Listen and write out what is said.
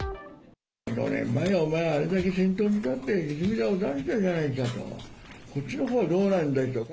４年前はお前、あれだけ先頭に立って泉田を出したじゃないかと、そっちのほうはどうなんだと。